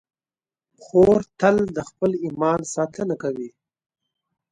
خور تل د خپل ایمان ساتنه کوي.